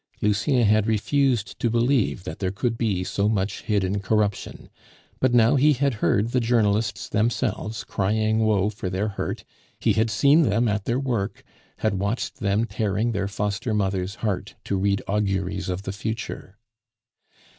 Lucien had refused to believe that there could be so much hidden corruption; but now he had heard the journalists themselves crying woe for their hurt, he had seen them at their work, had watched them tearing their foster mother's heart to read auguries of the future.